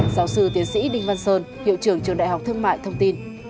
giáo sư tiến sĩ đinh văn sơn hiệu trưởng trường đại học thương mại thông tin